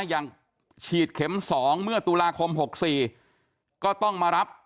อย่างฉีดเข็ม๒เมื่อตุลาคม๖๔ก็ต้องมารับ